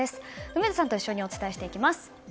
梅津さんと一緒にお伝えしていきます。